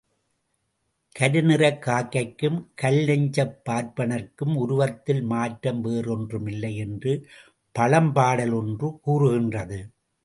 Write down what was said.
கருநிறக் காக்கைக்கும் கல்நெஞ்சப் பார்ப்பனர்க்கும் உருவத்தில் மாற்றம் வேறொன்றில்லை என்று பழம்பாடல் ஒன்று கூறுகின்றது.